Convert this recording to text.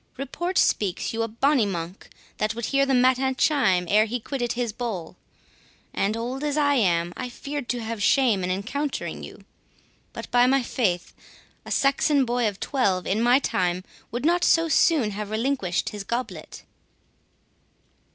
Report speaks you a bonny monk, that would hear the matin chime ere he quitted his bowl; and, old as I am, I feared to have shame in encountering you. But, by my faith, a Saxon boy of twelve, in my time, would not so soon have relinquished his goblet."